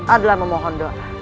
adalah memohon doa